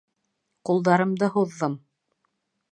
Ҡулдарымды һуҙҙым!